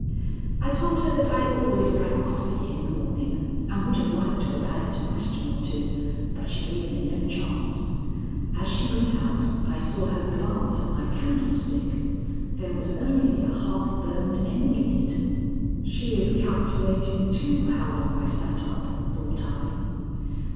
I told her that I always drank coffee in the morning, and would have liked to have added a question or two, but she gave me no chance. As she went out I saw her glance at my candlestick. There was only a half burned end in it. She is calculating, too, how long I sat up, thought I.